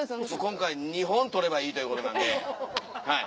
今回２本撮ればいいということなんではい。